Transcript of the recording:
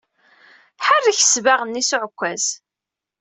Ḥerrek ssbaɣ-nni s uɛekkaz!